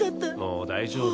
「もう大丈夫」